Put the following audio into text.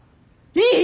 いい！？